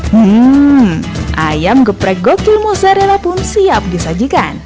hmm ayam geprek gokil mozzarella pun siap disajikan